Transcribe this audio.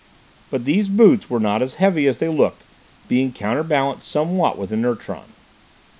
But these boots were not as heavy as they looked, being counter balanced somewhat with inertron.